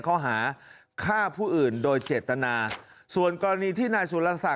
เราแค่ก็คุยว่าส่วนเงินที่เราให้ไป